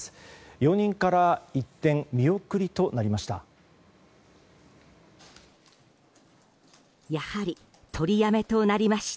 容認から一転見送りとなりました。